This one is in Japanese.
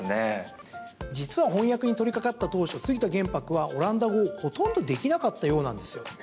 実は、翻訳に取りかかった当初杉田玄白はオランダ語をほとんどできなかったようなんですよ。